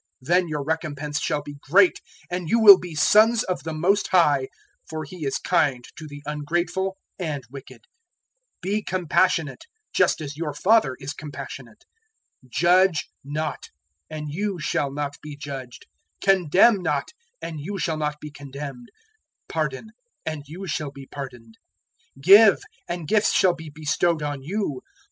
Then your recompense shall be great, and you will be sons of the Most High; for He is kind to the ungrateful and wicked. 006:036 Be compassionate just as your Father is compassionate. 006:037 "Judge not, and you shall not be judged; condemn not, and you shall not be condemned; pardon, and you shall be pardoned; 006:038 give, and gifts shall be bestowed on you.